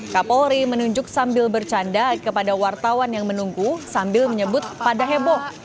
kapolri menunjuk sambil bercanda kepada wartawan yang menunggu sambil menyebut pada heboh